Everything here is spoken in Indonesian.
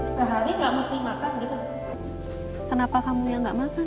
sehari enggak mesti makan gitu kenapa kamu yang nggak makan